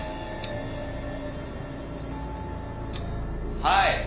はい。